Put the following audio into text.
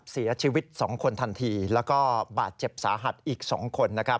เสียชีวิต๒คนทันทีแล้วก็บาดเจ็บสาหัสอีก๒คนนะครับ